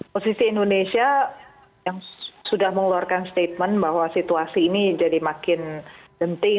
posisi indonesia yang sudah mengeluarkan statement bahwa situasi ini jadi makin genting